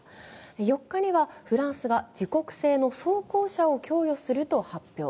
４日にはフランスが自国製の装甲車を供与すると発表。